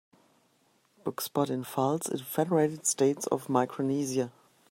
Book spot in Fults in Federated States Of Micronesia